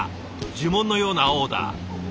呪文のようなオーダー。